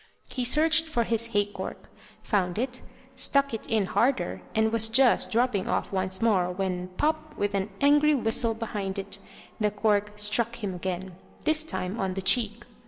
He searched for his hay cork, found it, stuck it in harder, and was just dropping off once more, when, pop! with an angry whistle behind it, the cork struck him again, this time on the cheek.